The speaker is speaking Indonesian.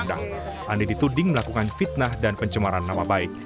andi dituding melakukan fitnah dan pencemaran nama baik